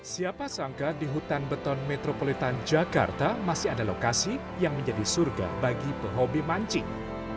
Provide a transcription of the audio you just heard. siapa sangka di hutan beton metropolitan jakarta masih ada lokasi yang menjadi surga bagi pehobi mancing